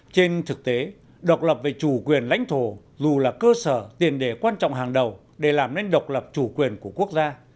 trên thực tế độc lập về chủ quyền lãnh thổ dù là cơ sở tiền đề quan trọng hàng đầu để làm nên độc lập chủ quyền của quốc gia